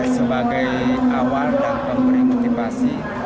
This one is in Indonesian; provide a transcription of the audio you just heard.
sebagai awal dan pemberi motivasi